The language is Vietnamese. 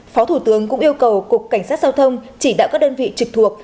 phó thủ tướng cũng yêu cầu cục cảnh sát giao thông chỉ đạo các đơn vị trực thuộc